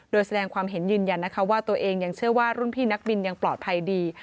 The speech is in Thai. โดยแสดงความเห็นยืนยันนะคะว่าตัวเองยังเชื่อว่ารุ่นพี่นักบินยังปลอดภัยดี